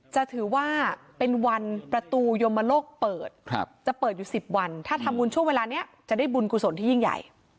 จะถือว่าเป็นวันประตูยมโลกเปิดจะเปิดอยู่๑๐วันถ้าทำบุญช่วงเวลานี้จะได้บุญกุศลที่ยิ่งใหญ่